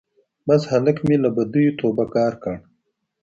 بس هلک مي له بدیو توبه ګار کړ